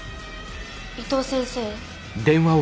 伊藤先生？